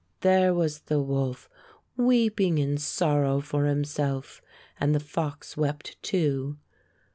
There was the wolf weeping in sorrow for himself; and the fox wept, too.